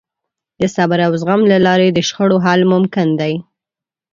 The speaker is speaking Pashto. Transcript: د صبر او زغم له لارې د شخړو حل ممکن دی.